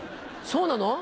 そうなの？